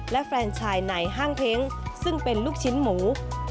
และแฟนชายในห้างเพ้งซึ่งเป็นลูกชิ้นหมู